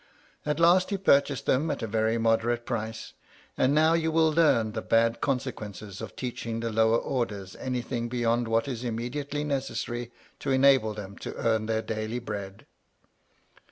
At last he purchased them at a very moderate price. And now you will learn the bad consequences of teachmg the lower orders anything beyond what is immediately necessary to enable them to earn their daily bread!